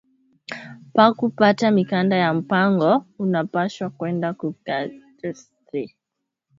Paku pata mikanda ya mpango, unapashwa kwenda ku cadastre